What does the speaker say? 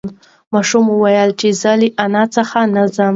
ماشوم وویل چې زه له انا څخه نه ځم.